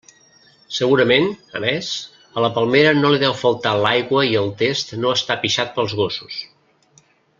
Segurament, a més, a la palmera no li deu faltar l'aigua i el test no està pixat pels gossos.